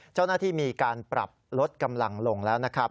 เจ้าหน้าที่มีการปรับลดกำลังลงแล้วนะครับ